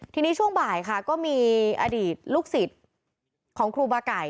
ทีนี้ช่วงบ่ายค่ะก็มีอดีตลูกศิษย์ของครูบาไก่